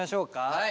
はい。